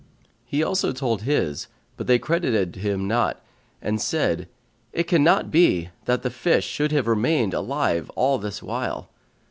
He also told his; but they credited him not and said, "It cannot be that the fish should have remained alive all this while."